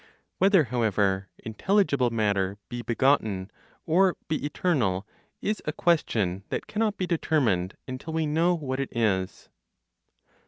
Whether, however, (intelligible matter) be begotten, or be eternal, is a question that cannot be determined until we know what it is.